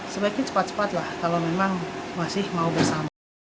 sebaiknya cepat cepat lah kalau memang masih mau bersama